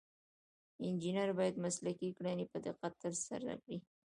انجینر باید مسلکي کړنې په دقت ترسره کړي.